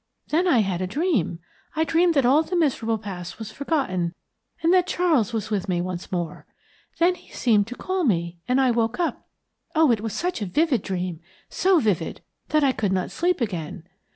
Then I had a dream. I dreamed that all the miserable past was forgotten, and that Charles was with me once more. Then he seemed to call me, and I woke up. Oh, it was such a vivid dream, so vivid, that I could not sleep again!